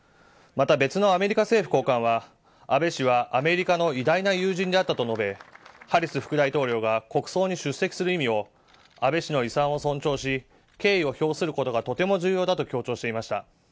また、別のアメリカ政府高官は安倍氏はアメリカの偉大な友人であったと述べハリス副大統領が国葬に出席する意味を安倍氏の遺産を尊重し敬意を表することがとても重要だと強調していました。